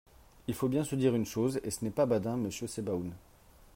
Il faut bien se dire une chose, et ce n’est pas badin, monsieur Sebaoun.